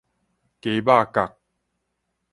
雞肉角